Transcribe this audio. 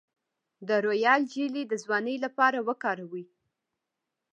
د رویال جیلی د ځوانۍ لپاره وکاروئ